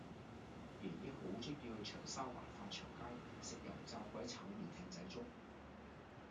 爺爺好鍾意去長沙灣發祥街食油炸鬼炒麵艇仔粥